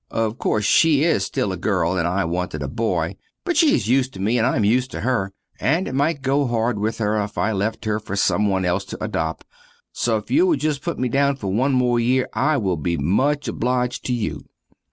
Of course she is still a girl and I wanted a boy, but she is used to me and I am used to her, and it mite go hard with her if I left her fer some one else to adop, so if you will just put me down fer one more yere I will be much obliged to you.